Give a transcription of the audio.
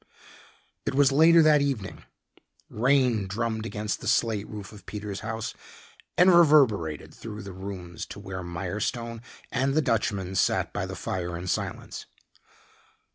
It was later that evening. Rain drummed against the slate roof of Peter's house and reverberated through the rooms to where Mirestone and the Dutchman sat by the fire in silence.